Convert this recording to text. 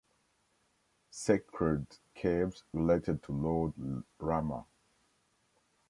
Sacred caves related to Lord Rama.